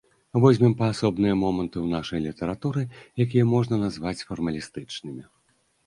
Возьмем паасобныя моманты ў нашай літаратуры, якія можна назваць фармалістычнымі.